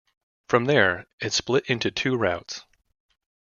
From there, it split into two routes.